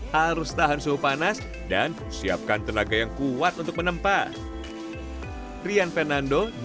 harus tahan suhu panas dan siapkan tenaga yang kuat untuk menempat